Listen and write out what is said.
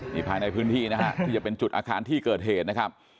นี่ภายในพื้นที่นะฮะที่จะเป็นจุดอาคารที่เกิดเหตุนะครับ